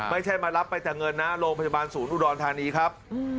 ไม่ใช่มารับไปแต่เงินนะโรงพยาบาลศูนย์อุดรธานีครับ